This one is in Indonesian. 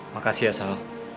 makasih ya sal